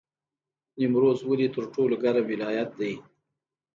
نیمروز ولې تر ټولو ګرم ولایت دی؟